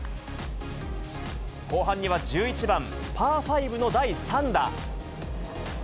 後半には１１番パー５の第３打。